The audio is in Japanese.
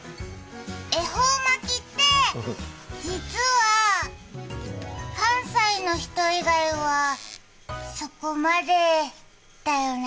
恵方巻って、実は関西の人以外はそこまでだよね。